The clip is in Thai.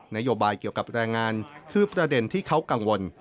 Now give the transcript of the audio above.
นโยบายเกี่ยวกับแรงงานคือประเด็นที่เขากังวล